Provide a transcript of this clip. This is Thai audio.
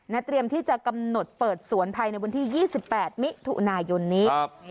เตรียมที่จะกำหนดเปิดสวนภายในวันที่๒๘มิถุนายนนี้